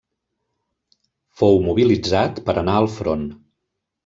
Fou mobilitzat per anar al front.